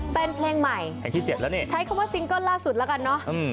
เป็นเพลงใหม่ใช้คำว่าซิงเกิ้ลล่าสุดแล้วกันเนาะ